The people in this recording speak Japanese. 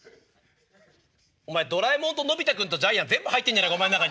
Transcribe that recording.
お前ドラえもんとのび太君とジャイアン全部入ってんじゃねえかお前ん中に。